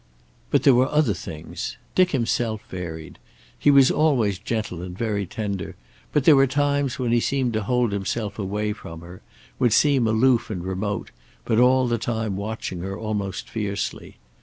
But there were other things. Dick himself varied. He was always gentle and very tender, but there were times when he seemed to hold himself away from her, would seem aloof and remote, but all the time watching her almost fiercely.